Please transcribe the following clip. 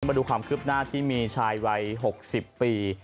มาดูความคืบหน้าที่มีชายวัย๖๐ปี